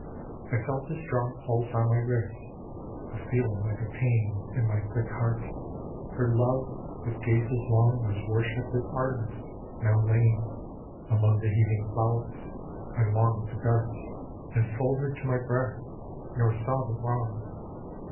I felt a strong Pulse on my wrist, a feeling like a pain In my quick heart, for Love with gazes long Was worshipping at Artemis, now lain Among the heaving flowers ... I longed ta dart And fold her to my breast, nor saw the wrong.